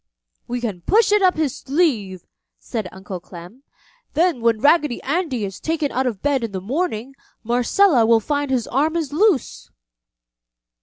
"We can push it up his sleeve!" said Uncle Clem. "Then when Raggedy Andy is taken out of bed in the morning, Marcella will find his arm is loose!"